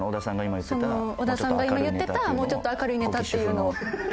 小田さんが今言ってたもうちょっと明るいネタっていうのを。